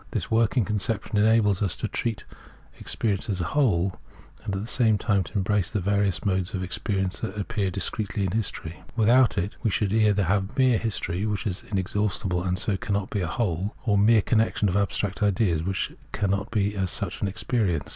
This working conception enables us to treat experience as a whole, and at the same time to embrace the various modes of experience as these appear discretely in history. Without it, we should either have mere history, which is inexhaustible and so cannot be a whole, or mere connection of abstract ideas, which cannot as such be experience.